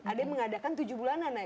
ada yang mengadakan tujuh bulanan ya